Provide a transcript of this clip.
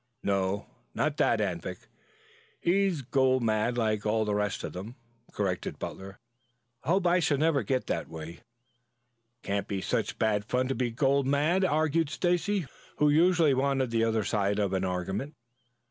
"No, not that, Anvik. He is gold mad like all the rest of them," corrected Butler. "I hope I never shall get that way." "It can't be such bad fun to be gold mad," argued Stacy, who usually wanted the other side of an argument.